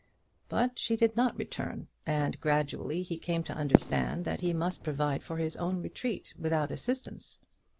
But she did not return, and gradually he came to understand that he must provide for his own retreat without assistance.